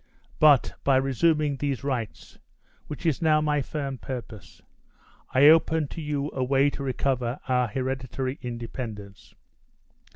But, by resuming these rights, which is now my firm purpose, I open to you a way to recover our hereditary independence.